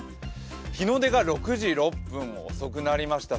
日の出が６時６分、遅くなりました。